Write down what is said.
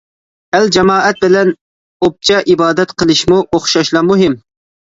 ئەل-جامائەت بىلەن ئوپچە ئىبادەت قىلىشمۇ ئوخشاشلا مۇھىم.